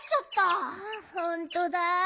ほんとだ。